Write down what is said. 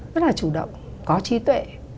rất là chủ động có trí tuệ